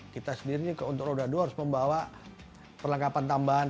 kita sendiri untuk roda dua harus membawa perlengkapan tambahan